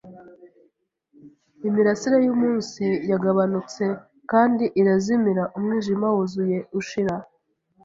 imirasire yumunsi yagabanutse kandi irazimira, umwijima wuzuye ushira